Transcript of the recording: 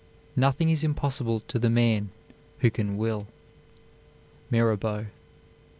Nothing is impossible to the man who can will. MIRABEAU.